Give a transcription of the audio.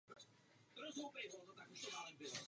Burian odmítl.